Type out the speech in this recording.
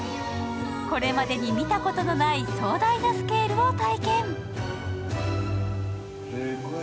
これまでに見たことのない壮大なスケールを体験。